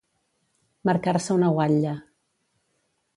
Marcar-se una guatlla.